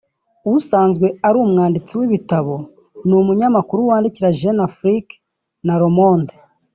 usanzwe ari umwanditsi w’ibitabo n’umunyamakuru wandikira Jeune Afrique na Le Monde